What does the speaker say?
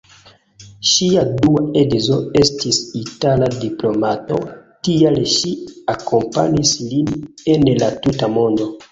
Ŝia dua edzo estis itala diplomato, tial ŝi akompanis lin en la tuta mondo.